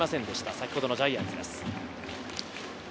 先ほどのジャイアンツです。